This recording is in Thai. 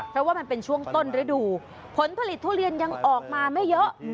เพราะว่ามันเป็นช่วงต้นฤดูผลผลิตทุเรียนยังออกมาไม่เยอะ